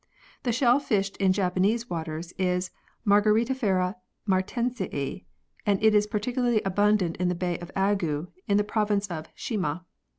The shell fished in Japanese waters is Margaritifera martensii and it is particularly abundant in the bay of Agu in the province of Shima.